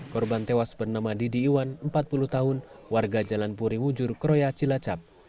korban tewas bernama didi iwan empat puluh tahun warga jalan puriwujur kroya cilacap